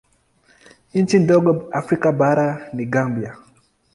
Nchi ndogo Afrika bara ni Gambia.